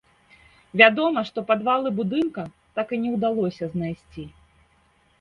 Вядома, што падвалы будынка так і не ўдалося знайсці.